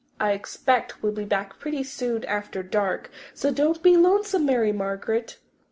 I expect we'll be back pretty soon after dark, so don't be lonesome, Mary Margaret."